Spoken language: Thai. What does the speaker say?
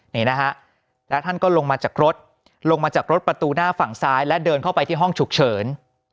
นี่นะฮะแล้วท่านก็ลงมาจากรถลงมาจากรถประตูหน้าฝั่งซ้ายและเดินเข้าไปที่ห้องฉุกเฉิน